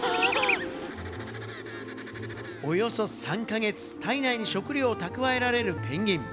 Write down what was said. およそ３か月、体内に食料を蓄えられるペンギン。